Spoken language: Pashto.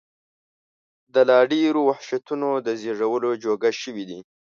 د لا ډېرو وحشتونو د زېږولو جوګه شوي دي.